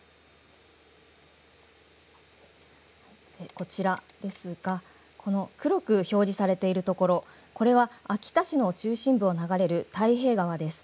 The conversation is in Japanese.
こちらですが黒く表示されているところ、これは秋田市の中心部を流れる太平川です。